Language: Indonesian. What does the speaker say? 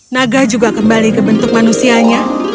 naga juga kembali ke bentuk manusianya